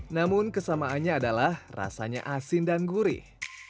namun kesamaannya adalah rasanya asin dan gurih